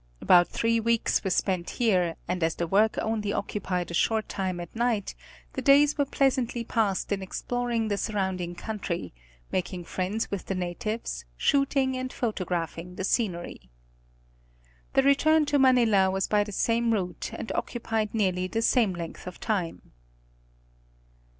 About three weeks were spent here, and as the work only occupied a short time at night, the days were pleasantly passed in exploring the surrounding country, making friends with the natives, shooting and photographing the scenery. The return to Manila was by the same route and occupied nearly the same length of time.